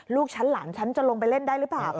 ลูกฉันหลานฉันจะลงไปเล่นได้หรือเปล่า